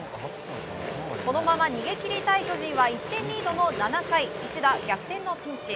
このまま逃げ切りたい巨人は１点リードの７回一打逆転のピンチ。